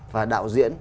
và đạo diễn